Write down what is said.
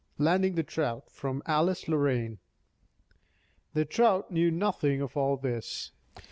LANDING THE TROUT From 'Alice Lorraine' The trout knew nothing of all this.